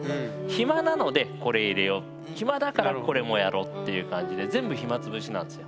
暇なのでこれ入れよ暇だからこれもやろっていう感じで全部暇つぶしなんですよ。